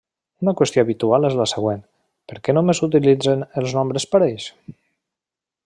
Una qüestió habitual és la següent: perquè només s'utilitzen els nombres parells?